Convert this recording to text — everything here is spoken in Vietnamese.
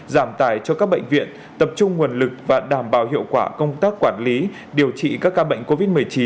giảm tài cho các bệnh viện tập trung nguồn lực và đảm bảo hiệu quả công tác quản lý điều trị các ca bệnh covid một mươi chín